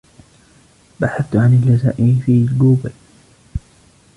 بحثت عن الجزائر في جوجل.